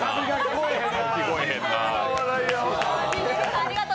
ありがとう！